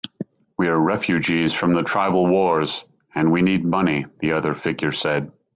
"We're refugees from the tribal wars, and we need money," the other figure said.